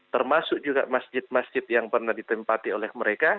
termasuk juga masjid masjid yang pernah ditempati oleh mereka